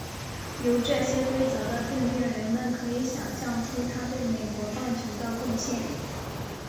由这些规则的订定人们可以想像出他对美国棒球的贡献。